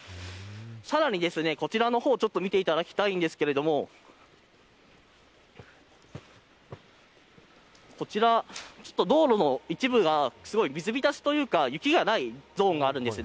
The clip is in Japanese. さらに、こちらの方を見ていただきたいんですけれどこちら、道路の一部が水浸しというか雪がないゾーンがあるんです。